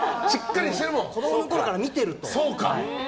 子供のころから見てると。